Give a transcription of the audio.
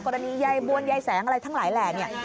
กรณีไย้บ้วนไย้แสงอะไรทั้งหลายแหล่ง